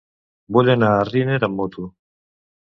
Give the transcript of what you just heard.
Vull anar a Riner amb moto.